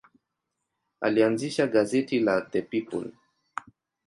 Alianzisha gazeti la The People.